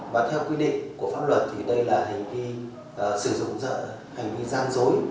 và theo quy định của pháp luật thì đây là hành vi sử dụng hành vi gian dối